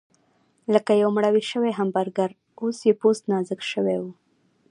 لکه یو مړاوی شوی همبرګر، اوس یې پوست نازک شوی و.